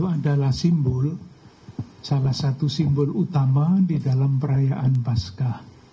itu adalah simbol salah satu simbol utama di dalam perayaan pasca